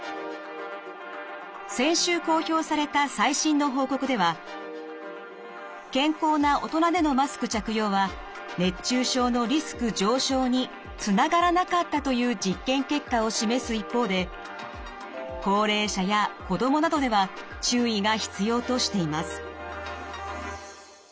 先週公表された最新の報告では健康な大人でのマスク着用は熱中症のリスク上昇につながらなかったという実験結果を示す一方で高齢者や子どもなどでは注意が必要としています。